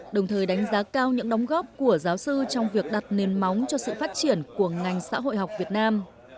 đồng thời đánh giá cao những đóng góp của giáo sư trong việc đặt nền móng cho sự phát triển của ngành xã hội học việt nam